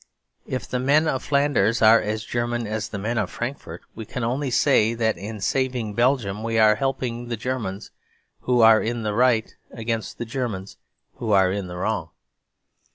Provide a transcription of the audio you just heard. If the men of Flanders are as German as the men of Frankfort, we can only say that in saving Belgium we are helping the Germans who are in the right against the Germans who are in the wrong.